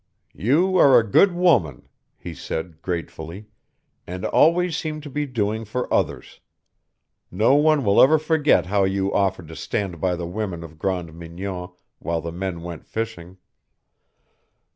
"You are a good woman," he said gratefully, "and always seem to be doing for others. No one will ever forget how you offered to stand by the women of Grande Mignon while the men went fishing."